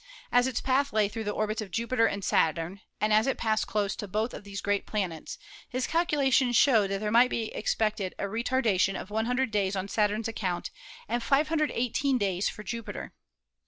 As its path lay through the orbits of Jupiter and Saturn and as it passed close to both of these great planets, his calculations showed that there might be expected a retardation of 100 days on Saturn's account and 518 days for Jupiter.